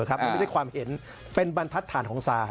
มันไม่ใช่ความเห็นเป็นบรรทัศนของศาล